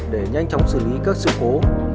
để nhanh chóng xử lý các sự cố